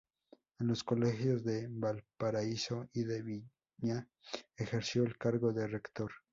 En los colegios de Valparaíso y de Viña ejerció el cargo de rector.